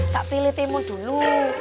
kak pele mau dulu